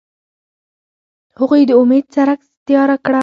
هغوی د امید څرک تیاره کړ.